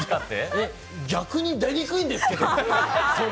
逆に出にくいんですけど！